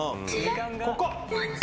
ここ。